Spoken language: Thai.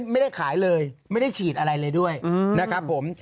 ไม่ได้ขายเลยไม่ได้ฉีดอะไรเลยด้วยนะครับผม